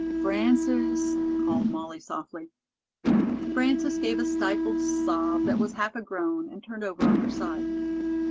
"Frances," called Molly softly. Frances gave a stifled sob that was half a groan and turned over on her side.